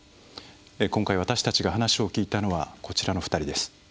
今回私たちが話を聞いたのはこちらの２人です。